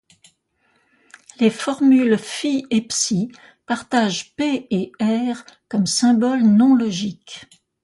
Les formules φ et ψ partagent P et R comme symboles non logiques.